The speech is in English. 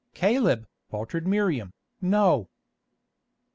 "Caleb!" faltered Miriam, "No."